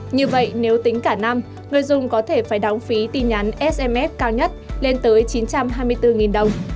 như vậy nếu tính cả năm người dùng có thể phải đóng phí tin nhắn sms cao nhất lên tới chín trăm hai mươi bốn đồng